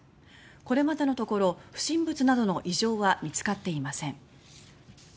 これまでのところ不審物などの異常は見つかっていません。